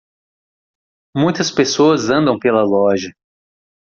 muitas pessoas andam pela loja.